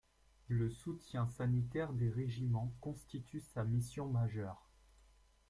Le soutien sanitaire des régiments constitue sa mission majeure.